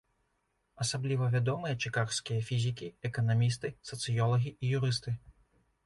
Асабліва вядомыя чыкагскія фізікі, эканамісты, сацыёлагі і юрысты.